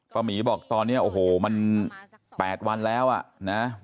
หมีบอกตอนนี้โอ้โหมัน๘วันแล้วอ่ะนะ